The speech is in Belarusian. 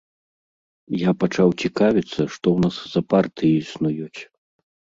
Я пачаў цікавіцца, што ў нас за партыі існуюць.